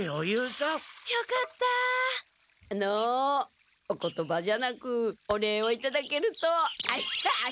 あのお言葉じゃなくお礼をいただけるとアヘアヘ。